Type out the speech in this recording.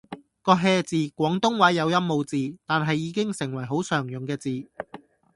個 hea 字廣東話有音無字，但係已經成為好常用嘅字